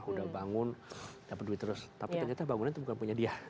udah bangun dapet duit terus tapi ternyata bangunan itu bukan punya dia